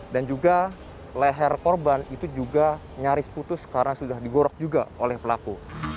dan juga leher korban itu juga nyaris putus karena sudah digorok juga oleh pelaku